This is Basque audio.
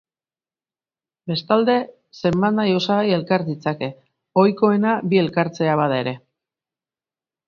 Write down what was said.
Bestalde, zenbat-nahi osagai elkar ditzake, ohikoena bi elkartzea bada ere.